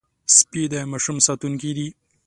سپي د ماشوم ساتونکي دي.